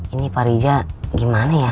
ini pak riza gimana ya